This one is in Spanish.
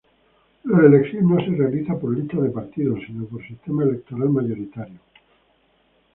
La elección no se realiza por listas de partidos sino por sistema electoral mayoritario.